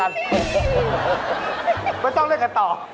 มันมีกับแก้วหน้าม้าเดี๋ยวต้องมีตัวมาช่วย